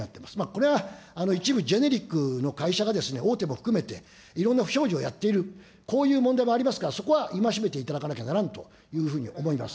これは一部ジェネリックの会社が、大手も含めていろんな不祥事をやっている、こういう問題もありますから、そこは戒めていただかなきゃならんと思います。